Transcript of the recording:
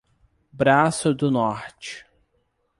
Braço do Norte